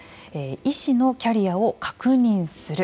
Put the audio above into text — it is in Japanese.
医師のキャリアを確認する。